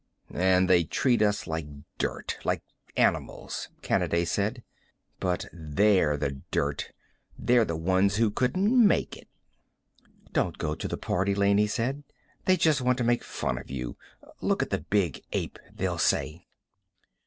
"And they treat us like dirt like animals," Kanaday said. "But they're the dirt. They were the ones who couldn't make it." "Don't go to the party," Laney said. "They just want to make fun of you. Look at the big ape, they'll say."